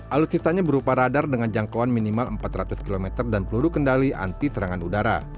alutsisanya berupa radar dengan jangkauan minimal empat ratus km dan peluru kendali anti serangan udara